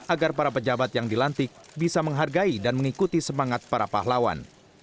agar para pejabat yang dilantik bisa menghargai dan mengikuti semangat para pahlawan